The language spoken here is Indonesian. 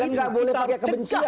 kita harus cegah politik kita